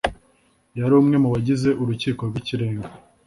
Yari umwe mu bagize Urukiko rw'Ikirenga.